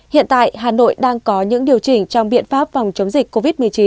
hiện tại hà nội đang có những điều chỉnh trong biện pháp phòng chống dịch covid một mươi chín